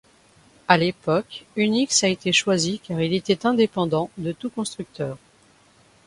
À l'époque, Unix a été choisi car il était indépendant de tout constructeur.